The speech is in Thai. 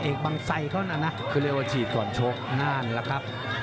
เอกบังไซด์เขาน่ะคือเรียกว่าฉีดก่อนชกนั่นล่ะครับ